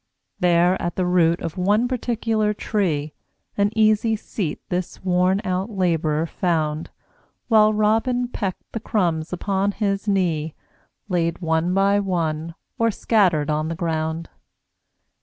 There, at the root of one particular tree, An easy seat this worn out Labourer found While Robin pecked the crumbs upon his knee Laid one by one, or scattered on the ground.